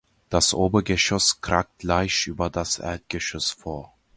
Das Obergeschoss kragt leicht über das Erdgeschoss vor.